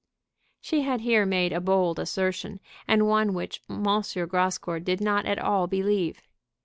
She had here made a bold assertion, and one which M. Grascour did not at all believe.